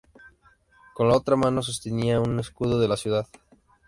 Con la otra mano sostiene un escudo de la ciudad.